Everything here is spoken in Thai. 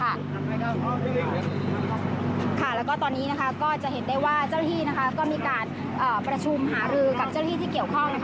แล้วก็ตอนนี้ก็จะเห็นได้ว่าเจ้าหน้าที่ก็มีการประชุมหารือกับเจ้าหน้าที่ที่เกี่ยวข้อง